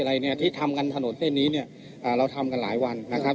ที่ทำกันถนนเท่านี้เราทำกันหลายวันนะครับ